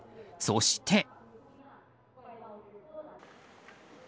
そして。